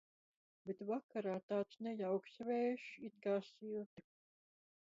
Bet vakarā tāds nejauks vējš, it kā silti.